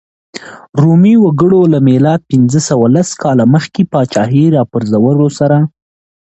رومي وګړو له میلاد پنځه سوه لس کاله مخکې پاچاهۍ راپرځولو سره.